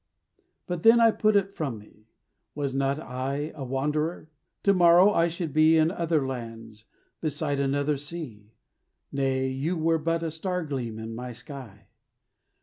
But then I put it from me: was not I A wanderer? To morrow I should be In other lands beside another sea; Nay, you were but a star gleam in my sky.